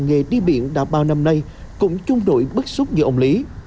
nghề đi biển đã bao năm nay cũng trung đội bất xúc như ông lý